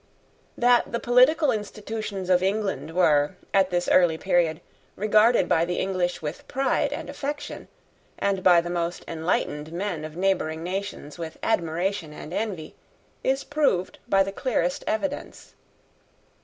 That the political institutions of England were, at this early period, regarded by the English with pride and affection, and by the most enlightened men of neighbouring nations with admiration and envy, is proved by the clearest evidence.